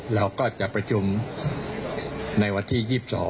เราก็จะประชุมในวันที่๒๒